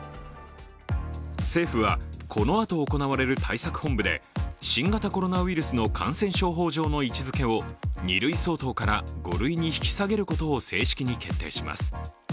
政府はこのあと行われる対策本部で新型コロナウイルスの感染症法上の位置づけを２類相当から５類に引き下げることを正式に決定します。